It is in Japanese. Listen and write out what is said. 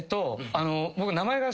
僕。